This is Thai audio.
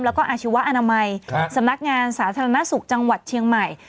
แล้วก็อาชีวะอนามัยสำนักงานสาธารณสุขจังหวัดเชียงใหม่